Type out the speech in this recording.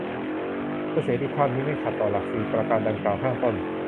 เมื่อเสรีภาพนี้ไม่ขัดต่อหลักสี่ประการดั่งกล่าวข้างต้น